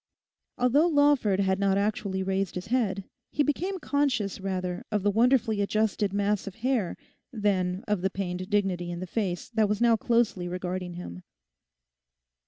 Although Lawford had not actually raised his head, he became conscious rather of the wonderfully adjusted mass of hair than of the pained dignity in the face that was now closely regarding him.